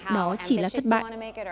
đó chỉ là thất bại